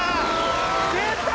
出た！